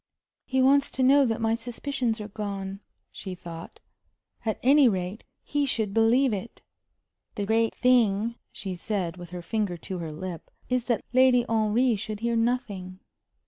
"He wants to know that my suspicions are gone," she thought. "At any rate, he should believe it." "The great thing," she said, with her finger to her lip, "is that Lady Henry should hear nothing."